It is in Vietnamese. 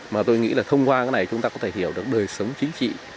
mà tôi nghĩ là thông qua cái này chúng ta có thể hiểu được đời sống chính trị